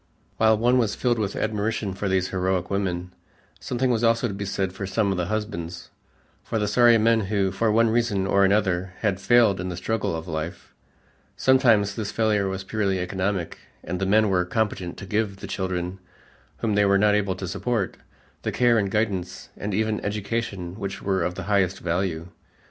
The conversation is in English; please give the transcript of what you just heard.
While one was filled with admiration for these heroic women, something was also to be said for some of the husbands, for the sorry men who, for one reason or another, had failed in the struggle of life. Sometimes this failure was purely economic and the men were competent to give the children, whom they were not able to support, the care and guidance and even education which were of the highest value.